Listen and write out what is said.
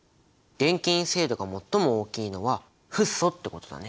電気陰性度が最も大きいのはフッ素ってことだね。